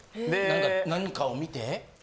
何かを見て？